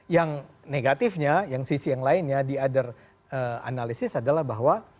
yang negatifnya yang sisi yang lainnya diader analisis adalah bahwa